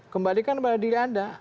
kembalikan kepada diri anda